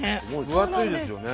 分厚いですよね